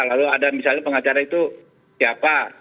lalu ada misalnya pengacara itu siapa